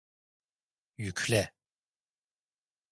Yükle!